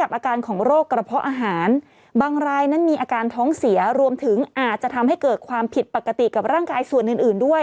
กับอาการของโรคกระเพาะอาหารบางรายนั้นมีอาการท้องเสียรวมถึงอาจจะทำให้เกิดความผิดปกติกับร่างกายส่วนอื่นด้วย